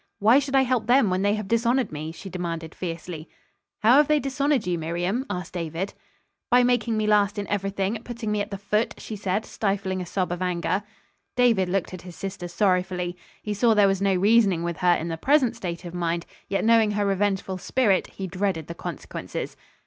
"Why should I help them when they have dishonored me?" she demanded fiercely. "How have they dishonored you, Miriam?" asked David. "By making me the last in everything; putting me at the foot," she said, stifling a sob of anger. David looked at his sister sorrowfully. He saw there was no reasoning with her in her present state of mind; yet knowing her revengeful spirit, he dreaded the consequences.